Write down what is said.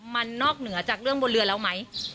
มันนอกเหนือจากเรื่องบนเรือแล้วไหม